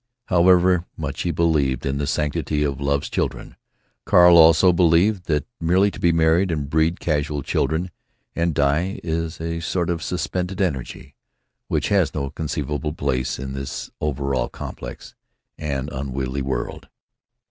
However much he believed in the sanctity of love's children, Carl also believed that merely to be married and breed casual children and die is a sort of suspended energy which has no conceivable place in this over complex and unwieldy world.